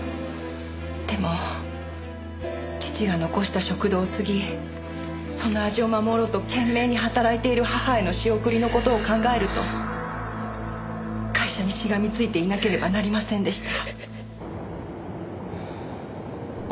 でも父が残した食堂を継ぎその味を守ろうと懸命に働いている母への仕送りの事を考えると会社にしがみついていなければなりませんでした。